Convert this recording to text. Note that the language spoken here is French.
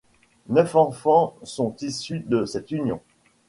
Neuf enfants sont issus de cette union.